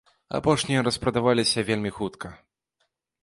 Апошнія распрадаваліся вельмі хутка.